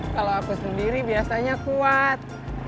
kalau aku sendiri biasanya kuat